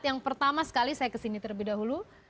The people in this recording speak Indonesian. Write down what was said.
yang pertama sekali saya kesini terlebih dahulu